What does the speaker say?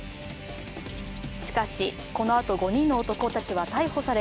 しかし、このあと５人の男立ちは逮捕され、